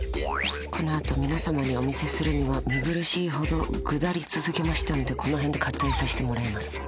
この後皆さまにお見せするには見苦しいほどグダリ続けましたのでこの辺で割愛させてもらいます